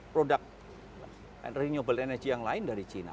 produk renewable energy yang lain dari china